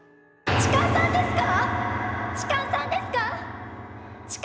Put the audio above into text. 痴漢さんですか？